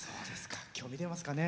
今日、見てますかね。